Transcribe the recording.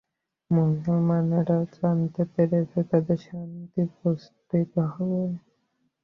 মুসলমানেরা জানতে পেরেছে তাদের শাস্তি হবে না।